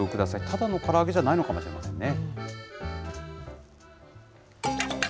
ただのから揚げじゃないのかもしれませんね。